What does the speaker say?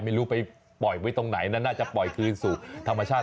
ไม่รู้ไปปล่อยไว้ตรงไหนนั้นน่าจะปล่อยคืนสู่ธรรมชาติ